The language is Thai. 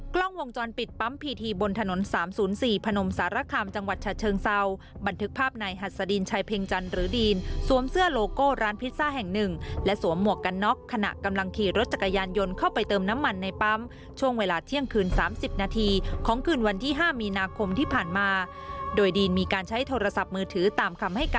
กล้องวงจรปิดปั๊มพีทีบนถนนสามศูนย์สี่พนมสารคามจังหวัดชะเชิงเศร้าบันทึกภาพในหัสดีนชายเพียงจันหรือดีนสวมเสื้อโลโก้ร้านพิซซ่าแห่งหนึ่งและสวมหมวกกันน็อกขณะกำลังขี่รถจักรยานยนต์เข้าไปเติมน้ำมันในปั๊มช่วงเวลาเที่ยงคืนสามสิบนาทีของคืนวันที่ห้ามีนาคมที่